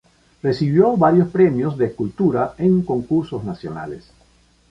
Recibió varios premios de escultura en concursos nacionales.